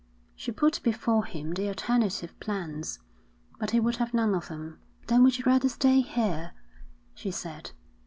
She put before him the alternative plans, but he would have none of them. 'Then would you rather stay here?' she said.